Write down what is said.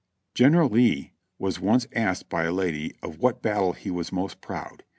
General Lee was once asked by a lady of what battle he was most proud.